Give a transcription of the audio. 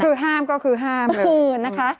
คือห้ามก็คือห้ามเลย